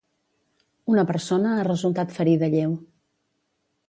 Una persona ha resultat ferida lleu.